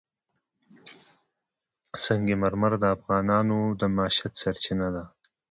سنگ مرمر د افغانانو د معیشت سرچینه ده.